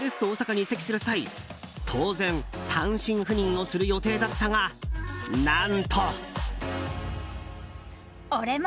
大阪に移籍する際当然、単身赴任をする予定だったが何と。